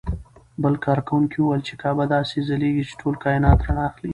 بل کاروونکي وویل چې کعبه داسې ځلېږي چې ټول کاینات رڼا اخلي.